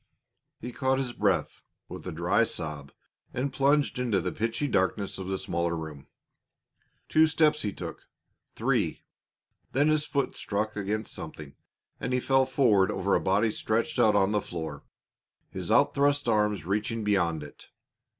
He caught his breath with a dry sob and plunged into the pitchy darkness of the smaller room. Two steps he took three. Then his foot struck against something, and he fell forward over a body stretched out on the floor, his out thrust arms reaching beyond it.